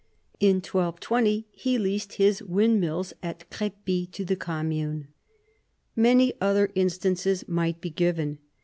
In 1220 he leased his windmills at Crepi to the commune. Many other instances might be given.